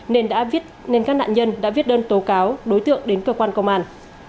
nên các nạn nhân đã viết đơn tố cáo đối tượng đến cơ quan công an